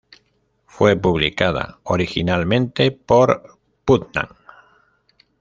Fue publicada originalmente por Putnam.